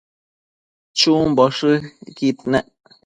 chumboshëcquid nec